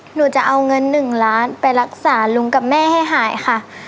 หนูจะเอาเงิน๑ล้านไปรักษาลุงกับแม่ให้หายค่ะ